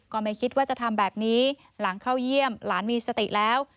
ก็ไม่คิดว่าจะทำแบบนี้หลังเข้าเยี่ยมหลานมีสติแล้ว